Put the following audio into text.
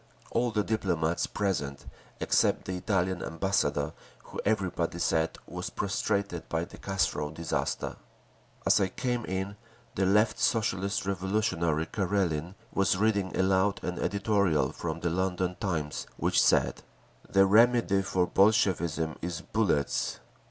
All the diplomats present except the Italian ambassador, who everybody said was prostrated by the Carso disaster…. As I came in, the Left Socialist Revolutionary Karelin was reading aloud an editorial from the London Times which said, "The remedy for Bolshevism is bullets!"